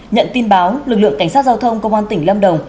nhận tin báo lực lượng cảnh sát giao thông công an tỉnh lâm đồng